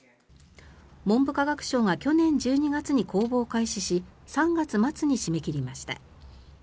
文部科学省が去年１２月に公募を開始し３月末に締め切りました。